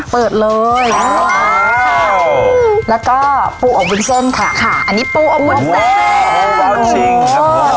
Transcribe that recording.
เปิดเลยแล้วก็ปูอบวุ้นเส้นค่ะค่ะอันนี้ปูอบวุ้นเส้น